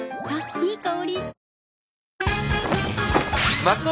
いい香り。